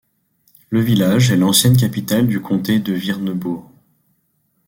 Le village est l'ancienne capitale du comté de Virnebourg.